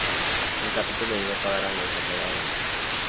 El capítulo debió pagar a los saqueadores.